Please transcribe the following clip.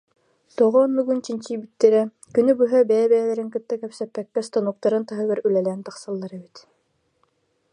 Тоҕо оннугун чинчийбиттэрэ: күнү быһа бэйэ-бэйэлэрин кытары кэпсэппэккэ станоктарын таһыгар үлэлээн тахсаллар эбит